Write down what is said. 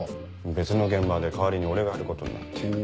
別の現場で代わりに俺がやることになって。